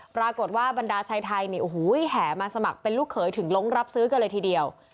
บรรดาชายไทยเนี่ยโอ้โหแห่มาสมัครเป็นลูกเขยถึงล้งรับซื้อกันเลยทีเดียว